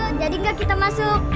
oh jadi nggak kita masuk